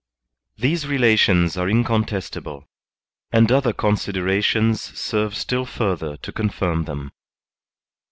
These relations are incontestable, and other consider ations serve still further to confirm them.